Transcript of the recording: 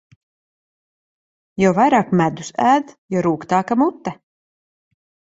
Jo vairāk medus ēd, jo rūgtāka mute.